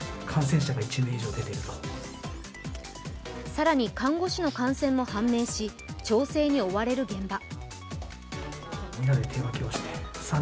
更に看護師の感染も判明し、調整に追われる現場。